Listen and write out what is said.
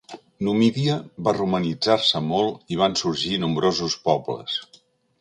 Numidia va romanitzar-se molt i van sorgir-hi nombrosos pobles.